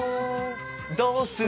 どーする？